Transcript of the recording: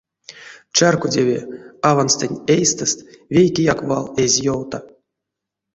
Чарькодеви, аванстэнь эйстэст вейкеяк вал эзь ёвта.